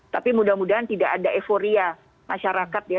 tapi mudah mudahan tidak ada euforia masyarakat ya